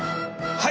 はい。